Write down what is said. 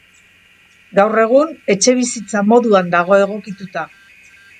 Gaur egun etxebizitza moduan dago egokituta.